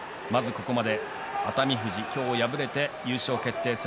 熱海富士、今日敗れて優勝決定戦。